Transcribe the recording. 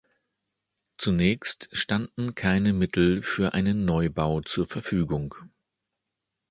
Zunächst standen keine Mittel für einen Neubau zur Verfügung.